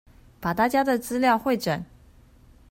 把大家的資料彙整